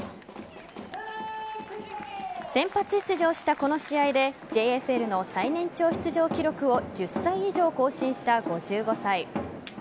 先発出場したこの試合でＪＦＬの最年長出場記録を１０歳以上更新した５５歳。